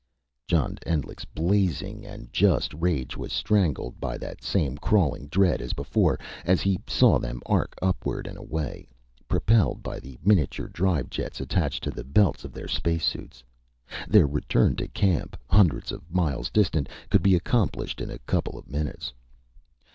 John Endlich's blazing and just rage was strangled by that same crawling dread as before, as he saw them arc upward and away, propelled by the miniature drive jets attached to the belts of their space suits. Their return to camp, hundreds of miles distant, could be accomplished in a couple of minutes.